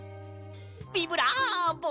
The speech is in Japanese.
ビブラボ！